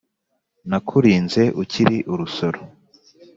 nakurinze ukiri urusoro